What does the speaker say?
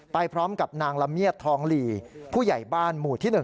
ไปพร้อมกับนางละเมียดทองหลีผู้ใหญ่บ้านหมู่ที่๑